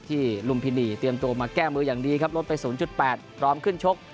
ลุมพินีเตรียมตัวมาแก้มืออย่างดีครับลดไป๐๘พร้อมขึ้นชก